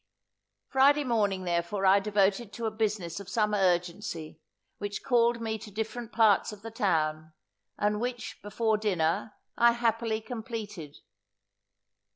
Friday morning therefore I devoted to a business of some urgency, which called me to different parts of the town, and which, before dinner, I happily completed.